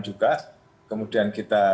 juga kemudian kita